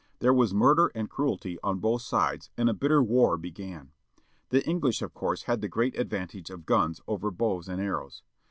There was murder and cruelty on both sides, and a bitter war began. The English of course had the great advantage of guns over bows and arrows.